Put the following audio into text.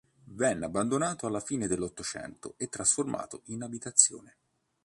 Venne abbandonato alla fine dell'Ottocento e trasformato in abitazione.